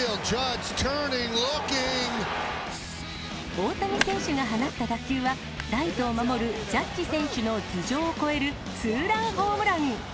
大谷選手が放った打球は、ライトを守るジャッジ選手の頭上を越えるツーランホームラン。